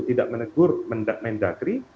tidak menegur mendagri